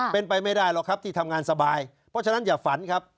เป็นไปไม่ได้หรอกครับที่ทำงานสบายเพราะฉะนั้นอย่าฝันครับ